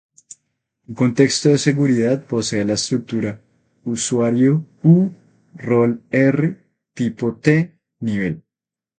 Un contexto de seguridad posee la estructura usuario_u:rol_r:tipo_t:nivel.